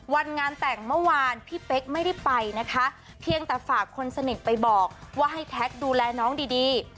วันงานแต่งเมื่อวานพี่เป๊กไม่ได้ไปนะคะเพียงแต่ฝากคนสนิทไปบอกว่าให้แท็กดูแลน้องดีดี